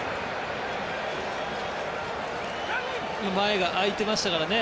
前が空いてましたからね。